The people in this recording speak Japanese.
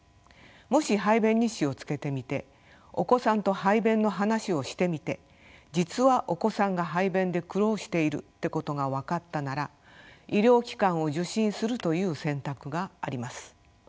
もし排便日誌をつけてみてお子さんと排便の話をしてみて実はお子さんが排便で苦労しているってことが分かったなら医療機関を受診するという選択があります。